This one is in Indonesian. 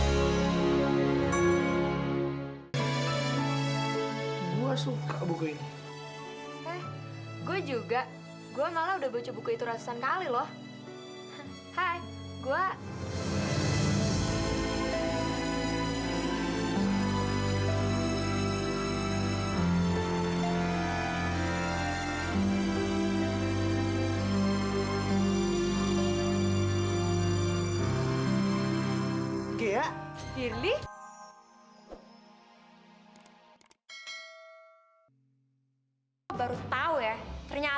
sampai jumpa di video selanjutnya